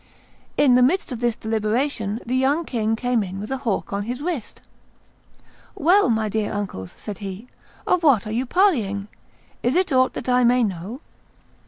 In the midst of this deliberation the young king came in with a hawk on his wrist. "Well! my dear uncles," said he, "of what are you parleying? Is it aught that I may know?"